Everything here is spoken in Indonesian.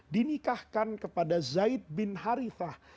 dinikahkan kepada zaid bin harifah